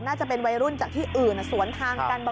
น่าจะเป็นวัยรุ่นจากที่อื่นสวนทางกัน